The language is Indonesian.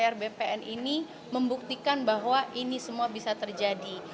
rbpn ini membuktikan bahwa ini semua bisa terjadi